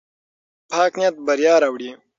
پاک نیت بریا راوړي.